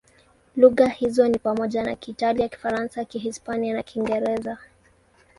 Lugha hizo ni pamoja na Kiitalia, Kifaransa, Kihispania na Kiingereza.